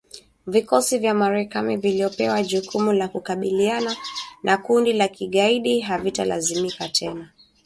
Vikosi vya Marekani vilivyopewa jukumu la kukabiliana na kundi la kigaidi havitalazimika tena kusafiri hadi Somalia kutoka nchi jirani baada ya maafisa